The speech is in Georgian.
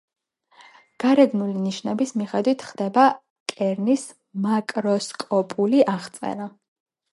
გარეგნული ნიშნების მიხედვით, ხდება კერნის მაკროსკოპული აღწერა.